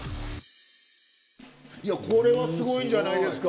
これはすごいんじゃないですか？